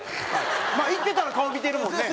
まあ行ってたら顔見てるもんね。